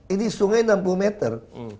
ini sungai enam puluh meter